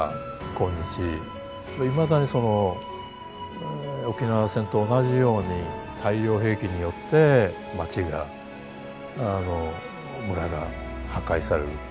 今日いまだにその沖縄戦と同じように大量兵器によって町が村が破壊される。